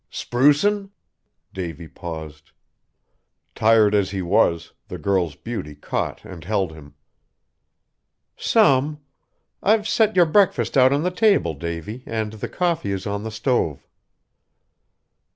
"Sprucin'?" Davy paused. Tired as he was, the girl's beauty caught and held him. "Some. I've set your breakfast out on the table, Davy, and the coffee is on the stove."